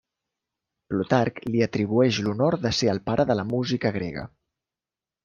Plutarc li atribueix l'honor de ser el pare de la música grega.